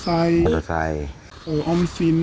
อันตรายออมศีล